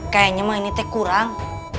kayaknya mah ini teh kurang